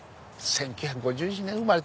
１９５１年生まれ。